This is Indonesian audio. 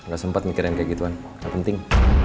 gak sempat mikirin kayak gituan gak penting